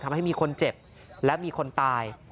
ทำให้มีคนเจ็บและมีคนตาย